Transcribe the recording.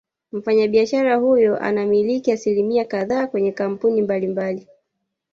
Mfanyabiashara huyo anamiliki asilimia kadhaa kwenye kampuni mbali mbali